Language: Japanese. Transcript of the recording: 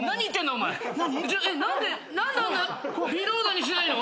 何であんな微動だにしないの？